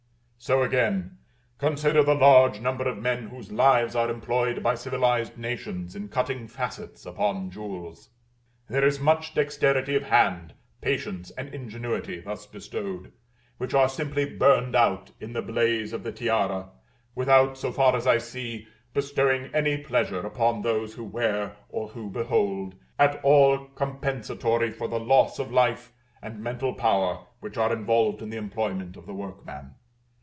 So again, consider the large number of men whose lives are employed by civilized nations in cutting facets upon jewels. There is much dexterity of hand, patience, and ingenuity thus bestowed, which are simply burned out in the blaze of the tiara, without, so far as I see, bestowing any pleasure upon those who wear or who behold, at all compensatory for the loss of life and mental power which are involved in the employment of the workman.